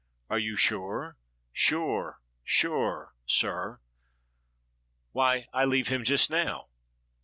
"Are you sure?" "Sure, sure, sir. Why, I leave him just now."